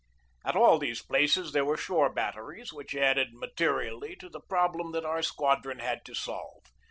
At all these places there were shore batteries, which added materially to the problem that our squadron had to solve.